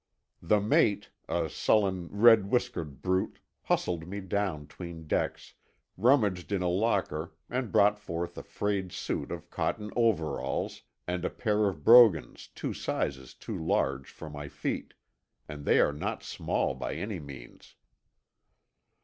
The mate, a sullen, red whiskered brute, hustled me down 'tween decks, rummaged in a locker and brought forth a frayed suit of cotton overalls, and a pair of brogans two sizes too large for my feet—and they are not small by any means.